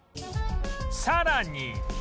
さらに